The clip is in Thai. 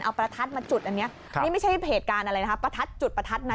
เอาประทัดมาจุดอันนี้นี่ไม่ใช่เหตุการณ์อะไรนะคะประทัดจุดประทัดนะ